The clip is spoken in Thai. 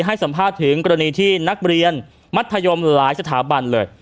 ให้สัมภาษณ์ถึงกรณีที่นักเรียนมัธยมหลายสถาบันเลย